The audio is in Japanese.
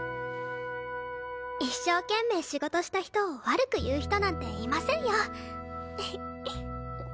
一生懸命仕事した人を悪く言う人なんていませんよ。